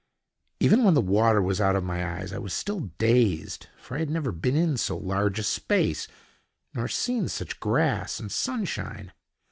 Even when the water was out of my eyes, I was still dazed, for I had never been in so large a space, nor seen such grass and sunshine.